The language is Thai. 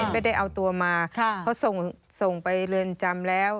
ไม่ได้เอาตัวมาเขาส่งไปเรือนจำแล้ว